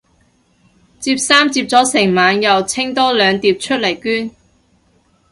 摺衫摺咗成晚又清多兩疊出嚟捐